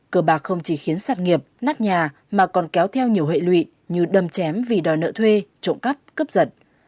cờ bạc không chỉ khiến sạt nghiệp nát nhà mà còn kéo theo nhiều hệ lụy như đầm chém vì đòi nợ thuê trộm cắp cấp giận